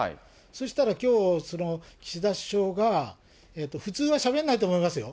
そしたらきょう、岸田首相が、普通はしゃべらないと思いますよ。